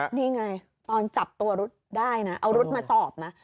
นี่ไงตอนจับตัวฤทธิ์ได้นะเอารุทธิ์มาสอบนะ